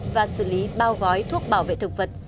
và xử lý bao gói thuốc bảo vệ thực vật